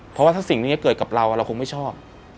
เพราะว่าถ้าสิ่งนี้เกิดกับเราเราคงไม่ชอบ